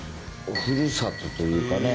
ふるさとというかね。